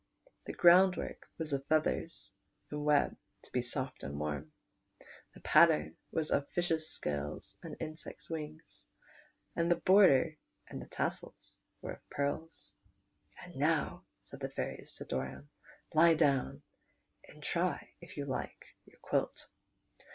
The groundwork was of feathers and web to be soft and warm, the pattern was of fishes' scales and insects' wings, and the border and the tassels were of pearls. "And now," said the fairies to Doran, "lie down and try if you like your quilt."